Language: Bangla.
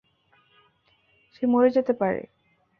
সে মরে যেতে পারে।